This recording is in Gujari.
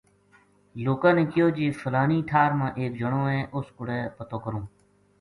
لوکاں نے کہیو جی فلانی ٹھار ما ایک جنو ہے اُس کوڑے پتو کروں